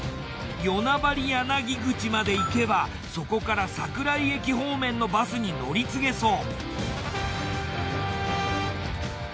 吉隠柳口まで行けばそこから桜井駅方面のバスに乗り継げそう。